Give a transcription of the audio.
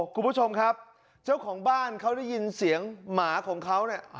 คุณผู้ชมครับเจ้าของบ้านเขาได้ยินเสียงหมาของเขาเนี่ย